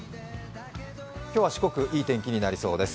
今日は四国、いい天気になりそうです。